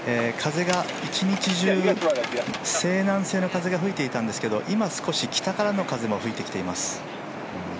風が一日中、西南西の風が吹いていたんですけど、今、少し北からの風も吹いてきています。